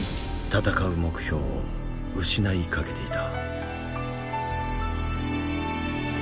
闘う目標を失いかけていた。